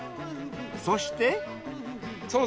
そして。